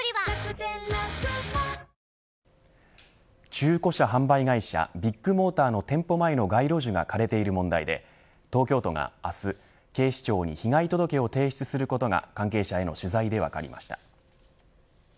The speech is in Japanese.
中古車販売会社ビッグモーターの店舗前の街路樹が枯れている問題で東京都が明日警視庁に被害届を提出することが関係者への取材で分かりました。